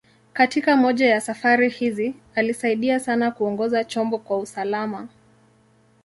Katika moja ya safari hizi, alisaidia sana kuongoza chombo kwa usalama.